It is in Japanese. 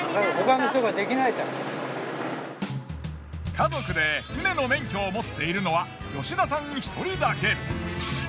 家族で船の免許を持っているのは吉田さん１人だけ。